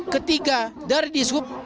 ketiga dari diskup